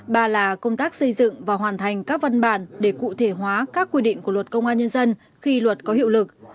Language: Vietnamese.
ba là công tác xây dựng và hoàn thành các văn bản để cụ thể hóa các quy định của luật công an nhân dân khi luật có hiệu lực